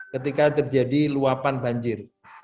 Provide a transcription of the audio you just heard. ketika terjadi luapan banjir